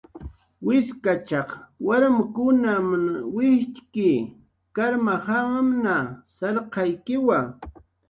Wiskachaq warmkunmn wijtxki karmajamanmna, sarqaykiwa.